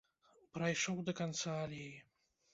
Прайшоў да канца алеі.